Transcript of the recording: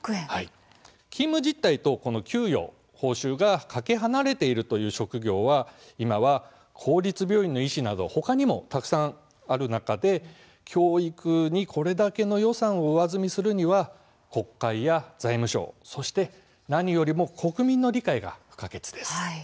勤務実態と給与、報酬がかけ離れているという職業は今は公立病院の医師などほかにもたくさんある中で教育にこれだけの予算を上積みするには国会や財務省、そして何よりも国民の理解が不可欠です。